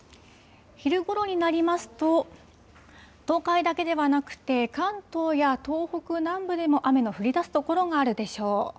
昼ごろになりますと、東海だけではなくて、関東や東北南部でも雨の降りだす所があるでしょう。